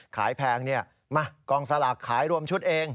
แพงมากองสลากขายรวมชุดเอง